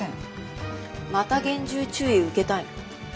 また厳重注意受けたいの？